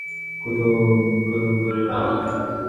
কুমুদ বলিল, হারাবে কেন?